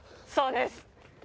そうです